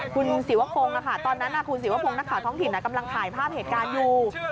คุณศิวพงศ์ตอนนั้นคุณศิวพงศ์นักข่าวท้องถิ่นกำลังถ่ายภาพเหตุการณ์อยู่